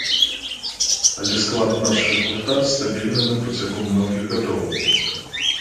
Але склад нашага гурта стабільны на працягу многіх гадоў.